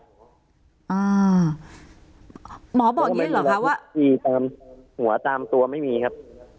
อ่าหมอบอกอย่างนี้เลยหรอคะว่าหัวตามตัวไม่มีครับ